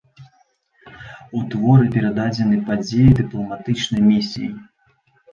У творы перададзены падзеі дыпламатычнай місіі.